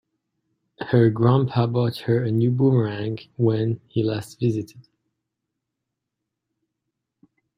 Her grandpa bought her a new boomerang when he last visited.